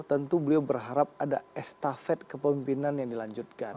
tentu beliau berharap ada estafet kepemimpinan yang dilanjutkan